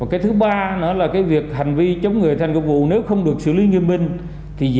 cái thứ ba nữa là việc hành vi chống người thành công vụ nếu không được xử lý nghiêm minh